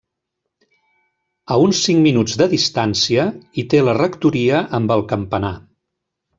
A uns cinc minuts de distància hi té la rectoria amb el campanar.